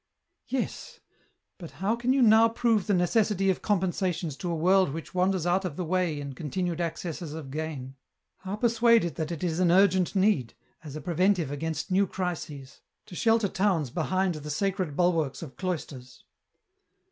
" Yes ; but how can you now prove the necessity of com pensations to a world which wanders out of the way in continued accesses of gain ; how persuade it that it is an urgent need, as a preventive against new crises, to shelter towns behind the sacred bulwarks of cloisters